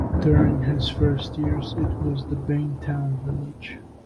During his first years, it was the Bein Town Village.